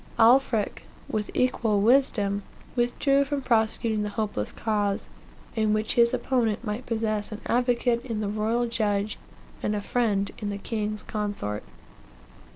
Alfric, with equal wisdom, withdrew from prosecuting the hopeless cause, in which his opponent might possess an advocate in the royal judge, and a friend in the king's consort.